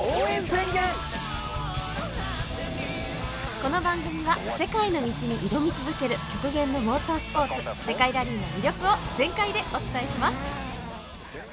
この番組は世界の道に挑み続ける極限のモータースポーツ世界ラリーの魅力を全開でお伝えします。